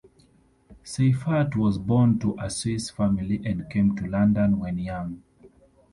Seifert was born to a Swiss family and came to London when young.